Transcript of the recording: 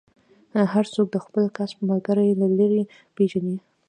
هر څوک د خپل کسب ملګری له لرې پېژني.